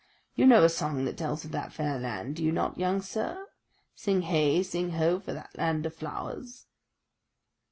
You know a song that tells of that fair land, do you not, young sir? 'Sing heigh, sing ho, for that land of flowers.